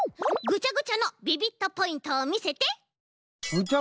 ぐちゃぐちゃのビビットポイント？